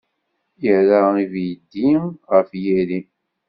Irra ibidi ɣef yiri.